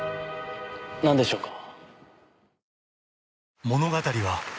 なんでしょうか。